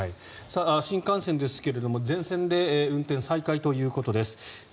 新幹線ですが全線で運転再開ということです。